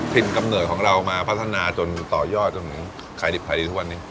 กำเนิดของเรามาพัฒนาจนต่อยอดจนถึงขายดิบขายดีทุกวันนี้